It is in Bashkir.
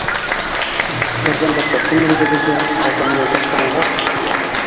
Берҙән-бер тоҡом үгеҙегеҙгә балта менән ташланғас!...